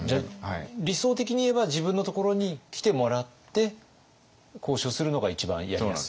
理想的に言えば自分のところに来てもらって交渉するのが一番やりやすい？